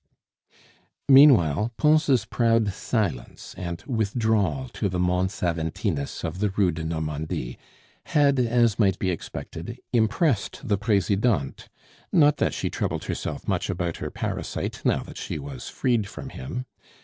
Meantime, Pons' proud silence and withdrawal to the Mons Aventinus of the Rue de Normandie had, as might be expected, impressed the Presidente, not that she troubled herself much about her parasite, now that she was freed from him.